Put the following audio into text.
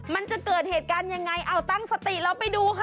มันจะเกิดเหตุการณ์ยังไงเอาตั้งสติแล้วไปดูค่ะ